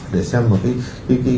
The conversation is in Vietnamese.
để xem một cái